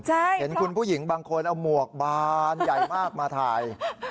เห็นคุณผู้หญิงบางคนเอาหมวกบานใหญ่มากมาถ่าย